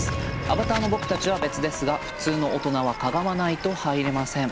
アバターの僕たちは別ですが普通の大人はかがまないと入れません。